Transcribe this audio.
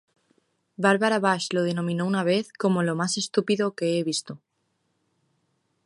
Barbara Bush lo denominó una vez como 'lo más estúpido que he visto'.